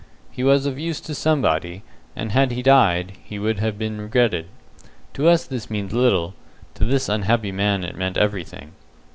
He was of use to somebody, and had he died, he would have been regretted. To us this means little; to this unhappy man it meant everything.